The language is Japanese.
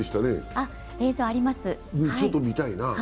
ちょっと見たいな。